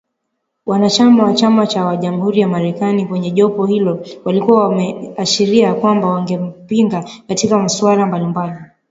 Wanachama wa chama cha Jamuhuri ya Marekani, kwenye jopo hilo walikuwa wameashiria kwamba wangempinga katika masuala mbalimbali